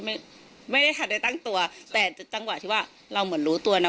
ไม่ได้ทันได้ตั้งตัวแต่จังหวะที่ว่าเราเหมือนรู้ตัวนะ